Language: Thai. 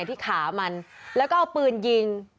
ที่ขามันแล้วก็เอาปืนยิง